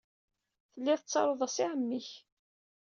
Tellid tettarud-as i ɛemmi-k.